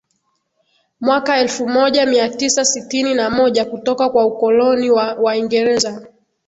mwaka elfu moja mia tisa sitini na moja kutoka kwa ukoloni wa Waingereza